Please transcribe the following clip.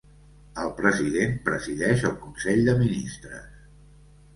El president presideix el Consell de Ministres.